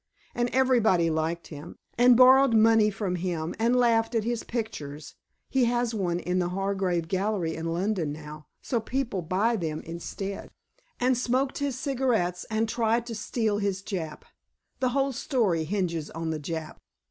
And everybody liked him, and borrowed money from him, and laughed at his pictures (he has one in the Hargrave gallery in London now, so people buy them instead), and smoked his cigarettes, and tried to steal his Jap. The whole story hinges on the Jap.